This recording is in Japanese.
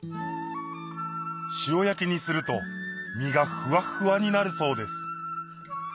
塩焼きにすると身がふわっふわになるそうです